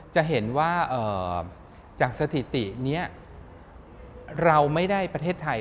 จะเห็นว่าจากสถิตินี้เราไม่ได้ประเทศไทย